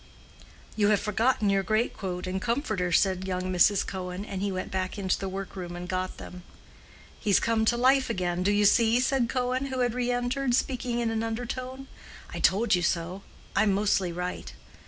"You have forgotten your greatcoat and comforter," said young Mrs. Cohen, and he went back into the workroom and got them. "He's come to life again, do you see?" said Cohen, who had re entered—speaking in an undertone. "I told you so: I'm mostly right."